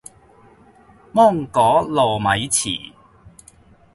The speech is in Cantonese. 芒果糯米糍